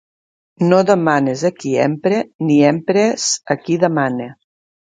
No demanes a qui empra, ni empres a qui demana.